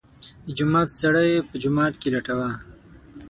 د جومات سړی په جومات کې لټوه.